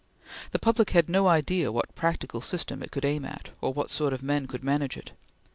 The public had no idea what practical system it could aim at, or what sort of men could manage it.